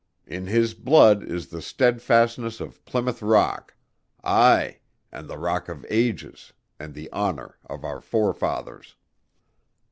In his blood is the steadfastness of Plymouth Rock ay, and the Rock of Ages and the honor of our forefathers."